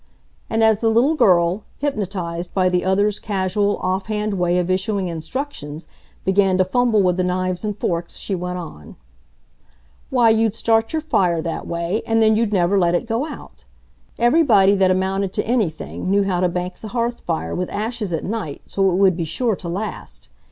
And as the little girl, hypnotized by the other's casual, offhand way of issuing instructions, began to fumble with the knives and forks she went on: "Why, you'd start your fire that way, and then you'd never let it go out. Everybody that amounted to anything knew how to bank the hearth fire with ashes at night so it would be sure to last.